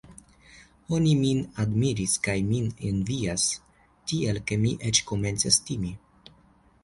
Oni min admiras kaj min envias, tiel ke mi eĉ komencas timi.